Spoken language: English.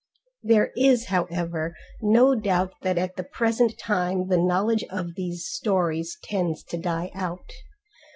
There is however, no doubt that at the present time the knowledge of these stories tends to die out.